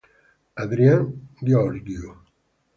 Adrian Gheorghiu